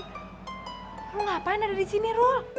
ruh ngapain ada di sini rul